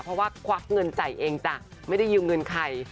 เพราะว่าควักเงินจ่ายเองจ้ะไม่ได้ยืมเงินใคร